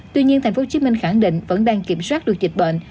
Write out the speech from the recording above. tuy nhiên thành phố chí minh khẳng định vẫn đang kiểm soát được dịch bệnh